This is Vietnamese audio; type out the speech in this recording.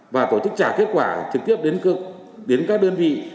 và tổ chức trả kết quả trực tiếp đến các đơn vị